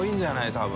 多分。